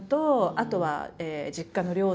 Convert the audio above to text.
あとは実家の両親